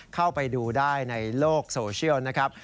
เข้าไปดูได้ในโลกโซเชียลนะครับ